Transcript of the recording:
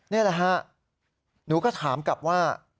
นี่แหละฮะหนูก็ถามกลับว่า